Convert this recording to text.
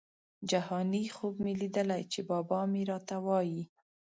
جهاني خوب مي لیدلی چي بابا مي راته وايی